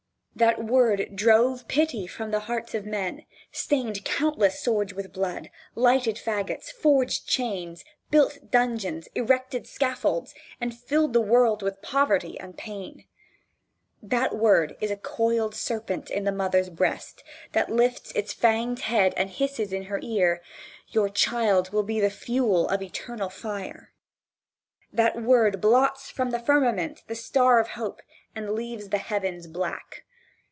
That word drove pity from the hearts of men, stained countless swords with blood, lighted fagots, forged chains, built dungeons, erected scaffolds, and filled the world with poverty and pain. That word is a coiled serpent in the mother's breast, that lifts its fanged head and hisses in her ear: "Your child will be the fuel of eternal fire." That word blots from the firmament the star of hope and leaves the heavens black.